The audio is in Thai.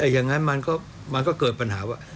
อย่างนั้นมันก็เกิดปัญหาว่า